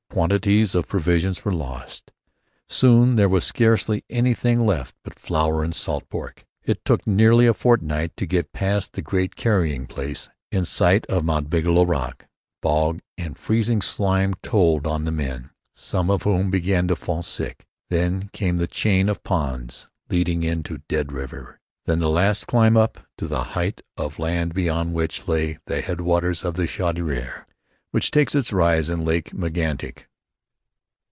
Quantities of provisions were lost. Soon there was scarcely anything left but flour and salt pork. It took nearly a fortnight to get past the Great Carrying Place, in sight of Mount Bigelow. Rock, bog, and freezing slime told on the men, some of whom began to fall sick. Then came the chain of ponds leading into Dead River. Then the last climb up to the height of land beyond which lay the headwaters of the Chaudiere, which takes its rise in Lake Megantic.